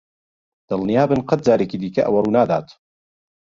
دڵنیابن قەت جارێکی دیکە ئەوە ڕوونادات.